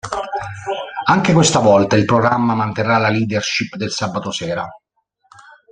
Anche questa volta il programma manterrà la leadership del sabato sera.